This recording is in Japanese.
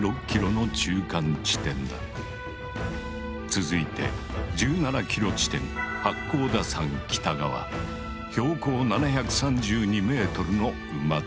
続いて１７ｋｍ地点八甲田山北側標高７３２ｍの馬立場。